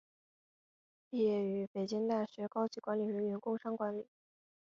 毕业于北京大学高级管理人员工商管理。